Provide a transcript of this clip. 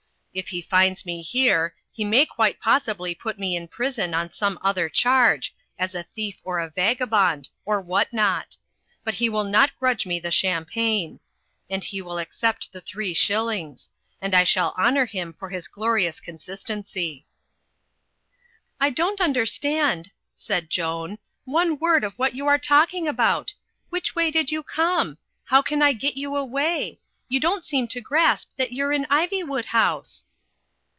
If he finds me here, he may quite possibly put me in prison on some other charge, as a thief or a vagabond, or what not. But he will not grudge the champagne. And he will accept the three shillings. And I shall honour him for his glorious consistency.'* *1 don't understand," said Joan, "one word of what you are talking about Which way did you come? How can I get you away? You don't seem to grasp that you're in Ivywood House."